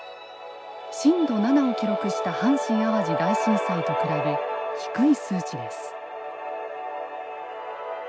震度７を記録した阪神・淡路大震災と比べ低い数値です。